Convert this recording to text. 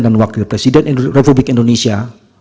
dan wakil presiden republik indonesia